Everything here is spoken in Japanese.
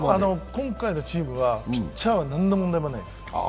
今回のチームはピッチャーは何の問題もないです。